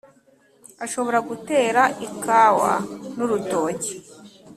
ashobora no gutera ikawa n’urutoki